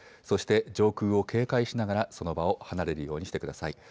そして上空を警戒しながらその場を離れるようにしてください。